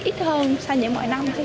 ít hơn sau những mọi năm